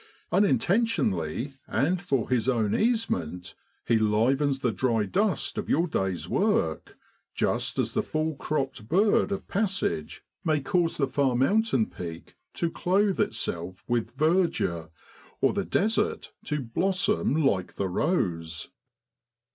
Unintention ally, and for his own easement, he livens the dry dust of your day's work, just as a full cropped bird of passage may cause the far mountain peak to clothe itself with verdure, or the desert to blossom like the rose.